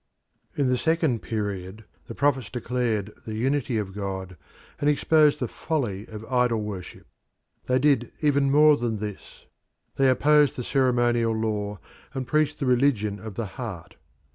In the second period the prophets declared the unity of God and exposed the folly of idol worship. They did even more than this. They opposed the ceremonial law, and preached the religion of the heart.